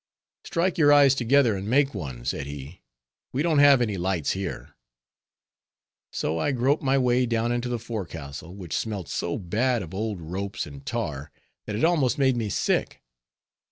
"Strike your eyes together and make one," said he, "we don't have any lights here." So I groped my way down into the forecastle, which smelt so bad of old ropes and tar, that it almost made me sick.